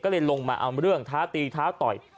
ก็เลยลงมาเอาเรื่องท้าตีท้าต่อย